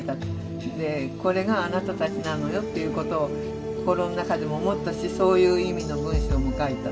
これがあなたたちなのよっていうことを心の中でも思ったしそういう意味の文章も書いた。